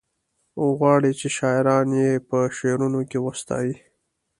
غواړي چې شاعران یې په شعرونو کې وستايي.